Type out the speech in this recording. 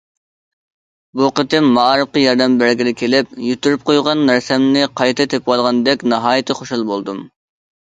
بۇ قېتىم مائارىپقا ياردەم بەرگىلى كېلىپ، يىتتۈرۈپ قويغان نەرسەمنى قايتا تېپىۋالغاندەك ناھايىتى خۇش بولدۇم.